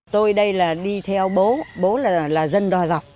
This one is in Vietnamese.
tôi đây là đi theo bố bố là dân đò dọc